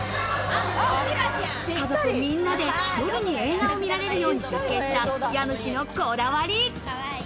家族みんなで夜に映画を見られるように設計した家主のこだわり。